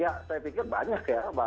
ya saya pikir banyak ya